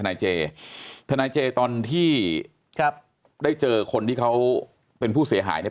นายเจทนายเจตอนที่ครับได้เจอคนที่เขาเป็นผู้เสียหายเนี่ย